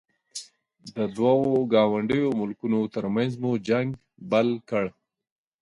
د دوو ګاونډیو ملکونو ترمنځ مو جنګ بل کړ.